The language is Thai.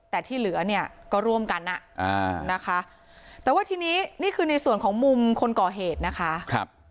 แต่ที่เหลือเนี่ยก็ร่วมกันนะคะแต่ว่าทีนี้นี่คือในส่วนของมุมคนก่อเหตุนะคะ